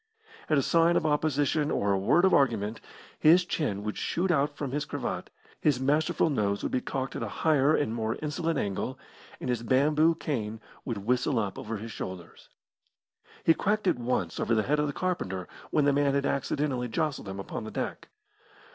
At a sign of opposition or a word of argument his chin would shoot out from his cravat, his masterful nose would be cocked at a higher and more insolent angle, and his bamboo cane would whistle up over his shoulders. He cracked it once over the head of the carpenter when the man had accidentally jostled him upon the deck.